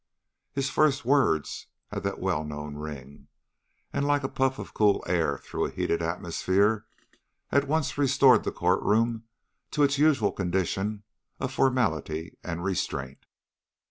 His first words had the well known ring, and, like a puff of cool air through a heated atmosphere, at once restored the court room to its usual condition of formality and restraint.